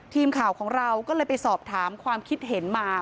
ทีมข่าวของเราก็เลยไปสอบถามความคิดเห็นมา